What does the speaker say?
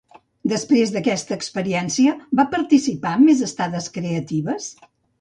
Després d'aquesta experiència, va participar en més estades creatives?